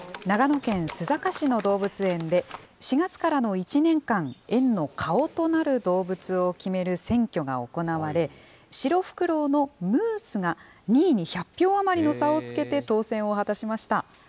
長野県須坂市の動物園で、４月からの１年間、園の顔となる動物を決める選挙が行われ、シロフクロウのムースが２位に１００票余りの差をつけて当選を果たしました。